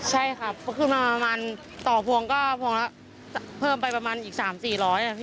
ใช่ครับก็ขึ้นมาประมาณต่อพวงก็พวงละเพิ่มไปประมาณอีก๓๔๐๐